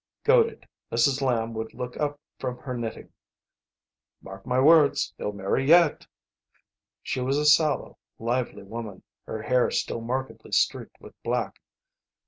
'" Goaded, Mrs. Lamb would look up from her knitting. "Mark my words, he'll marry yet." She was a sallow, lively woman, her hair still markedly streaked with black.